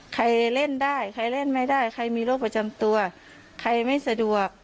ใครเล่นได้ใครเล่นไม่ได้ใครมีโรคประจำตัวใครไม่สะดวก